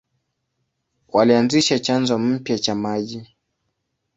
Walianzisha chanzo mpya cha maji.